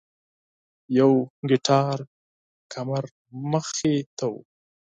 یو کټار کمر مخې ته و.